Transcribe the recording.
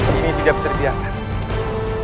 kami tidak bisa di biarkan